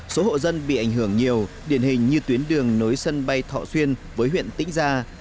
số hộ dân bị ảnh hưởng nhiều điển hình như tuyến đường nối sân bay thọ xuyên với huyện tĩnh gia